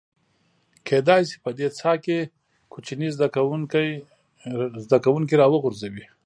کېدای شي په دې څاه کې کوچني زده کوونکي راوغورځي.